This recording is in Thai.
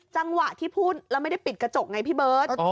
จังหวะที่พูดแล้วไม่ได้ปิดกระจกไงพี่เบิร์ต